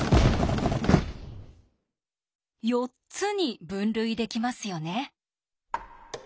４つに分類できますよね。